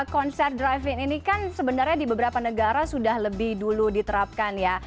konser driving ini kan sebenarnya di beberapa negara sudah lebih dulu diterapkan ya